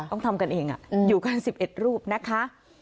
ต้องทำกันเองอยู่กัน๑๑รูปนะคะ